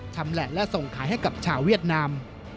ชำแหละและส่งขายให้กับชาวเวียดนาม